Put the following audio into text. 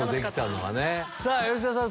さぁ吉田さん